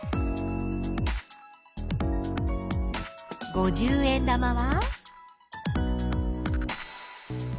五十円玉は？